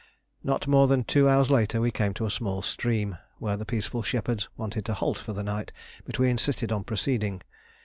Not more than two hours later we came to a small stream where the peaceful shepherds wanted to halt for the night, but we insisted on proceeding.